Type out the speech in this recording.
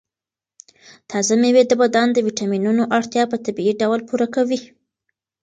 تازه مېوې د بدن د ویټامینونو اړتیا په طبیعي ډول پوره کوي.